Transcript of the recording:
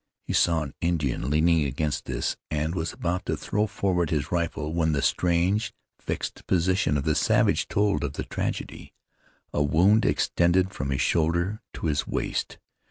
He saw an Indian leaning against this, and was about to throw forward his rifle when the strange, fixed, position of the savage told of the tragedy. A wound extended from his shoulder to his waist.